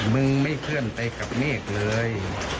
มึงไม่เคลื่อนไปกับเมฆเลย